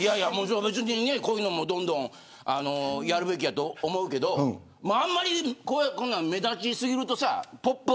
別に、こういうのもどんどんやるべきやと思うけどあんまりこんなん目立ち過ぎるとポップＵＰ！